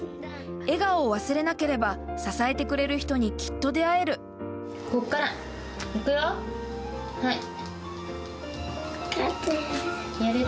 笑顔を忘れなければ支えてくれる人にきっと出会える。